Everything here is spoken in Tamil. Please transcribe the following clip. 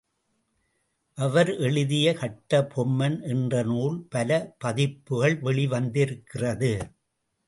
அவர் எழுதிய கட்டபொம்மன் என்ற நூல் பலபதிப்புகள் வெளி வந்திருக்கிறது.